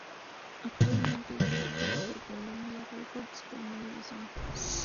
Actualmente es publicado por Columbia Records por medio de Sony.